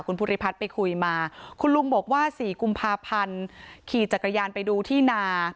คุณภูริพัฒน์ไปคุยมาคุณลุงบอกว่า๔กุมภาพันธ์ขี่จักรยานไปดูที่นา